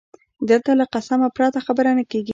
دلته له قسمه پرته خبره نه کېږي